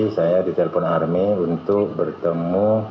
saya ditelepon army untuk bertemu